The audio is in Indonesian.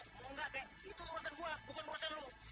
mau gak kak itu urusan gua bukan urusan lo